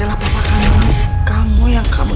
aku tidak mau